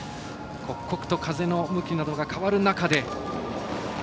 刻々と風の向きなどが変わる中で。